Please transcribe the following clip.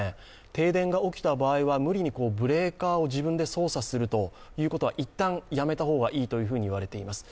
停電が起きた場合は無理にブレーカーを操作するということはいったんやめた方がいいと言われています。